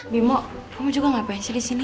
bimo kamu juga gak pengen sih di sini